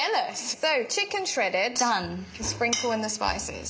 スパイスを。